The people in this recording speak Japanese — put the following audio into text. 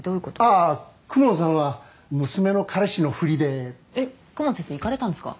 ああ公文さんは娘の彼氏のふりでえっ公文先生行かれたんですか？